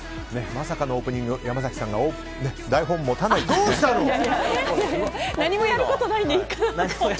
まさかのオープニング山崎さんが台本を持たないという。